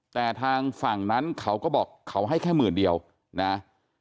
แต่ทางฝั่งนั้นเขาก็บอกเขาให้แค่หมื่นเดียวนะ